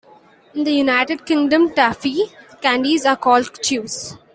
In the United Kingdom taffy candies are called chews.